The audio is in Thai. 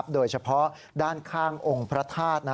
โดยเฉพาะด้านข้างองค์พระธาตุ